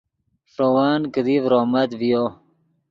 ݰے ون کیدی ڤرومت ڤیو